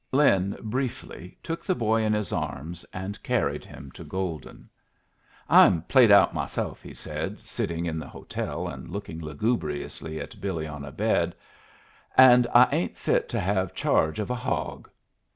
Lin, briefly, took the boy in his arms and carried him to Golden. "I'm played out myself," he said, sitting in the hotel and looking lugubriously at Billy on a bed. "And I ain't fit to have charge of a hog."